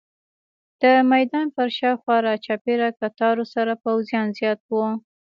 د میدان پر شاوخوا راچاپېره کټارو سره پوځیان زیات وو.